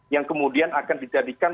yang kemudian akan dijadikan